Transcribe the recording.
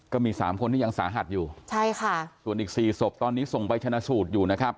ก็มีสามคนที่ยังสาหัสอยู่ใช่ค่ะส่วนอีกสี่ศพตอนนี้ส่งไปชนะสูตรอยู่นะครับ